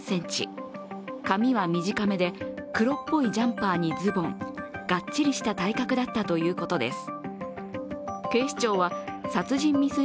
髪は短めで、黒っぽいジャンパーにズボン、がっちりした体格だったということです。